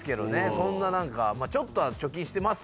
そんな何かちょっとは貯金してますけど。